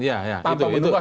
tanpa menunggu langsung masuk